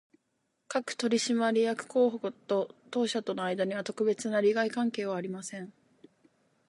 各取締役候補と当社との間には、特別な利害関係はありません